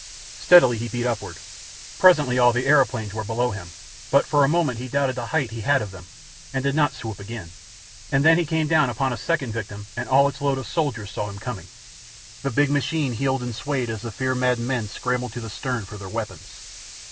Steadily he beat upward. Presently all the aeroplanes were below him, but for a moment he doubted the height he had of them, and did not swoop again. And then he came down upon a second victim and all its load of soldiers saw him coming. The big machine heeled and swayed as the fear maddened men scrambled to the stern for their weapons.